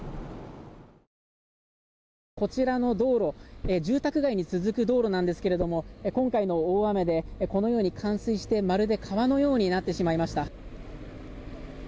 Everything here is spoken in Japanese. こちらの道路住宅街に続く道路なんですけども今回の大雨でこのように冠水してまるで川のようになってしまいました。